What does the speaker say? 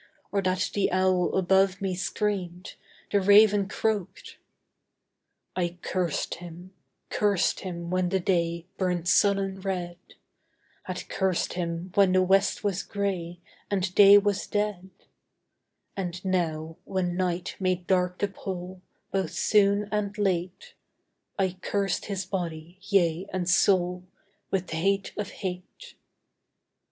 Or that the owl above me screamed, The raven croaked! I cursed him: cursed him when the day Burnt sullen red; Had cursed him when the west was gray, And day was dead: And now when night made dark the pole, Both soon and late I cursed his body, yea, and soul, With th' hate of hate.